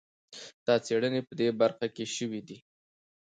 دا څېړنې په دې برخه کې شوي دي.